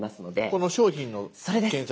この「商品を検索」。